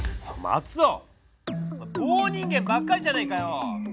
おまえ棒人間ばっかりじゃないかよ！